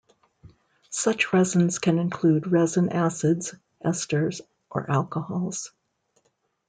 Such resins can include resin acids, esters, or alcohols.